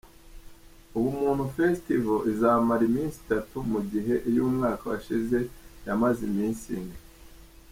Ubumuntu Festival izamara iminsi itatu mu gihe iy’umwaka washize yamaze iminsi ine.